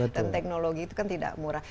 dan teknologi itu kan tidak murah